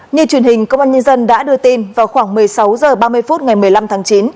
như truyền hình công an nhân dân đã đưa tin vào khoảng một mươi sáu h ba mươi phút ngày một mươi năm tháng chín